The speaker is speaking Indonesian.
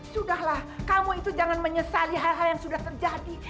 sudahlah kamu itu jangan menyesali hal hal yang sudah terjadi